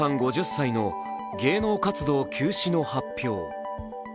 ５０歳の芸能活動休止の発表。